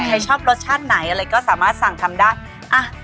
ใครชอบรสชาติไหนอะไรก็สามารถสั่งทำได้อ่ะ